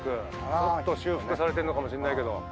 ちょっと修復されてんのかもしれないけど。